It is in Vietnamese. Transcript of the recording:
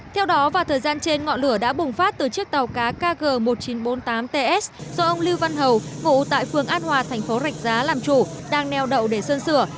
theo đó vào thời gian trên ngọn lửa đã bùng phát từ chiếc tàu cá kg một nghìn chín trăm bốn mươi tám ts do ông lưu văn hầu vụ tại phường an hòa thành phố rạch giá làm chủ đang neo đậu để sơn sửa